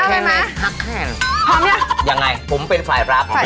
พร้อมยังยังไงผมเป็นไฟลับหักแขน